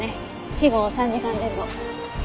死後３時間前後。